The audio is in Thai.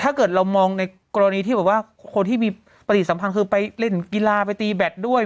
ถ้าเกิดเรามองในกรณีที่แบบว่าคนที่มีปฏิสัมพันธ์คือไปเล่นกีฬาไปตีแบตด้วย